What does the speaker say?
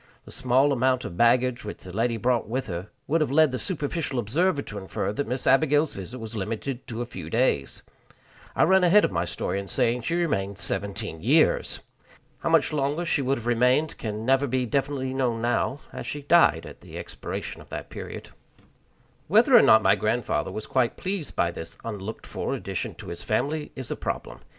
The small amount of baggage which the lady brought with her would have led the superficial observer to infer that Miss Abigail's visit was limited to a few days. I run ahead of my story in saying she remained seventeen years! How much longer she would have remained can never be definitely known now, as she died at the expiration of that period. Whether or not my grandfather was quite pleased by this unlooked for addition to his family is a problem.